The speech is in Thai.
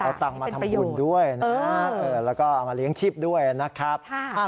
เอาตังค์มาทำบุญด้วยนะแล้วก็เอามาเลี้ยงชีพด้วยนะครับ